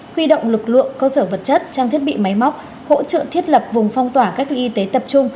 huy động lực lượng cơ sở vật chất trang thiết bị máy móc hỗ trợ thiết lập vùng phong tỏa cách ly y tế tập trung